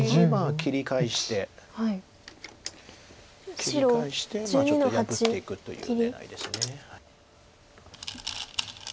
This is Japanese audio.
切り返してちょっと破っていくという狙いです。